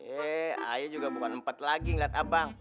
eh ayah juga bukan empat lagi ngeliat abang